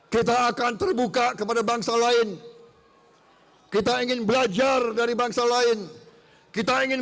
kita akan terbuka kepada bangsa lain kita ingin belajar dari bangsa lain kita ingin